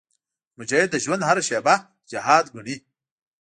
مجاهد د ژوند هره شېبه جهاد ګڼي.